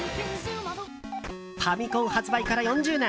ファミコン発売から４０年。